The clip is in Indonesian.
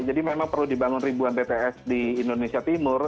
jadi memang perlu dibangun ribuan dts di indonesia timur